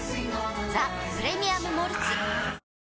「ザ・プレミアム・モルツ」あー